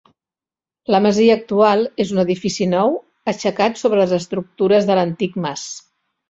La masia actual és un edifici nou aixecat sobre les estructures de l'antic mas.